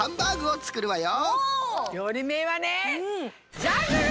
料理めいはねジャングル？